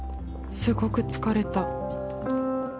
すごく疲れた。